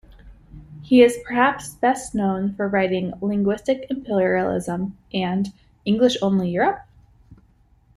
He is perhaps best known for writing "Linguistic Imperialism" and "English-Only Europe?